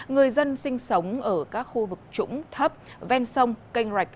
người dân sinh sống ở các khu vực trũng thấp ven sông canh rạch